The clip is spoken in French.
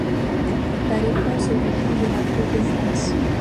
La réponse est venue de la cour de France.